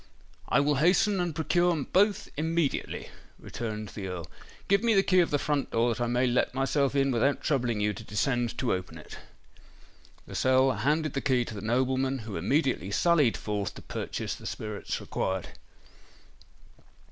"I will hasten and procure both immediately," returned the Earl. "Give me the key of the front door that I may let myself in without troubling you to descend to open it." Lascelles handed the key to the nobleman, who immediately sallied forth to purchase the spirits required.